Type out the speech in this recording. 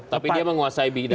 tapi dia menguasai bidang